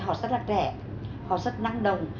họ rất là trẻ họ rất năng đồng